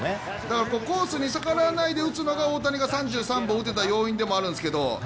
コースに逆らわないで打つのが大谷が３３本打てた要因でもあるんですけど